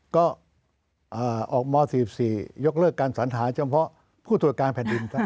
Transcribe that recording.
ก็ออกม๔๔ยกเลิกการสัญหาเฉพาะผู้ตรวจการแผ่นดินครับ